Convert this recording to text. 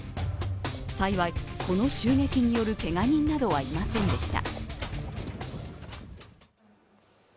幸い、この襲撃によるけが人などはいませんでした。